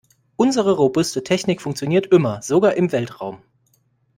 Unsere robuste Technik funktioniert immer, sogar im Weltraum.